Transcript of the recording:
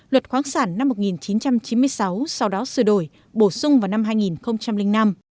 luật khoáng sản năm một nghìn chín trăm chín mươi sáu sau đó sửa đổi bổ sung vào năm hai nghìn năm